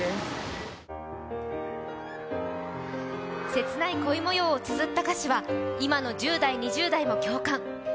切ない濃い模様をつづった歌詞は今の１０代、２０代も共感。